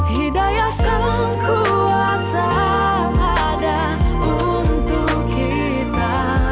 hidayah yang kuasa ada untuk kita